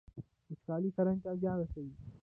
وچکالي کرنې ته زیان رسوي.